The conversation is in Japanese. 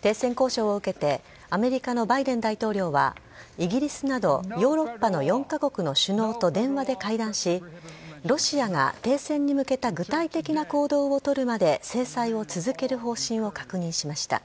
停戦交渉を受けて、アメリカのバイデン大統領は、イギリスなどヨーロッパの４か国の首脳と電話で会談し、ロシアが停戦に向けた具体的な行動を取るまで、制裁を続ける方針を確認しました。